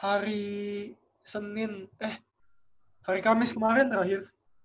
hari senin eh hari kamis kemarin terakhir